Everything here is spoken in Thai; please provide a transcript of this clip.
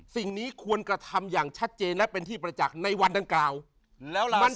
สิ่งนี้ควรกระทำอย่างชัดเจนและเป็นที่ประจักษ์ในวันดังกล่าวแล้วล่ะ